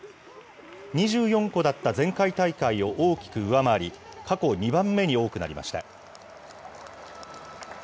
２４個だった前回大会を大きく上回り、過去２番目に多くなりました。